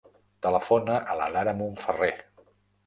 Telefona a l'Adara Monferrer.